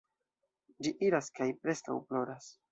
Ĝi iras kaj preskaŭ ploras.